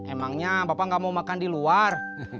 emangnya bapak nggak mau makan di luar